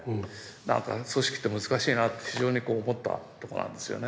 なんか組織って難しいなぁって非常にこう思ったとこなんですよね。